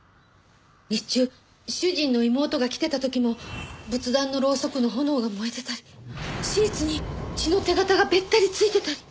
日中主人の妹が来てた時も仏壇のろうそくの炎が燃えてたりシーツに血の手形がべったり付いてたり。